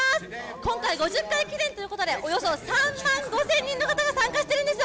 今回、５０回記念ということでおよそ３万５０００人の方が参加しているんですよ。